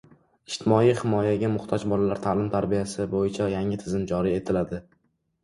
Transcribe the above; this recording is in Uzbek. Ijtimoiy himoyaga muhtoj bolalar ta’lim-tarbiyasi bo‘yicha yangi tizim joriy etiladi